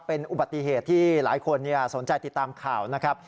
เป็นอุบัติเหตุที่หลายคนสนใจติดตามข่าวนะครับ